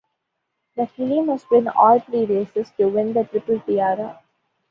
The filly must win all three races to win the Triple Tiara.